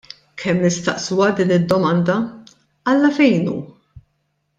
Kemm nistaqsuha din id-domanda: Alla fejn hu?